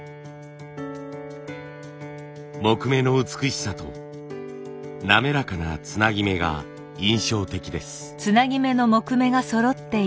木目の美しさと滑らかなつなぎ目が印象的です。